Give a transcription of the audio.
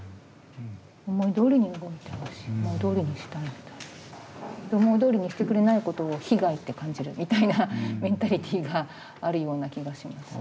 思いどおりに動いてほしい思いどおりにしたい思いどおりにしてくれないことを被害って感じるみたいなメンタリティーがあるような気がします。